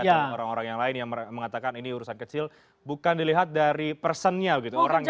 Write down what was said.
atau orang orang yang lain yang mengatakan ini urusan kecil bukan dilihat dari personnya gitu orang ya